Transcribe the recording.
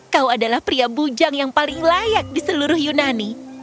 kau adalah pria bujang yang paling layak di seluruh yunani